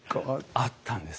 あったんです。